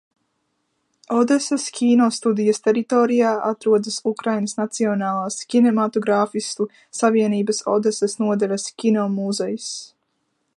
Odesas kinostudijas teritorijā atrodas Ukrainas Nacionālās kinematogrāfistu savienības Odesas nodaļas kino muzejs.